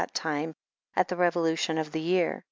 that time, at the revokition of the year.